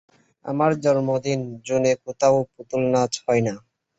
আমার জন্মদিন জুনে কোথাও পুতুলনাচ হয়না।